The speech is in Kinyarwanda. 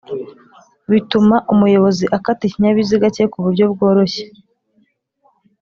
bituma umuyobozi akata ikinyabiziga cye ku buryo bworoshye